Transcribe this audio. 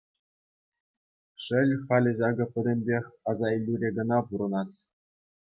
Шел, халӗ ҫакӑ пӗтӗмпех асаилӳре кӑна пурӑнать.